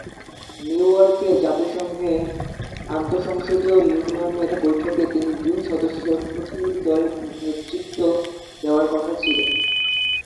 New ইয়র্কে জাতিসংঘে আন্তঃ সংসদীয় ইউনিয়নের বৈঠকে তিনি দুই সদস্যের প্রতিনিধি দলের নেতৃত্ব দেওয়ার কথা ছিল।